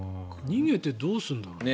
逃げてどうするんだろう。